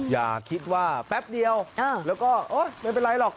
อย่าคิดว่าแป๊บเดียวแล้วก็โอ๊ยไม่เป็นไรหรอก